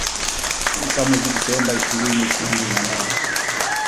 tisa mwezi Disemba ishini ishirni na moja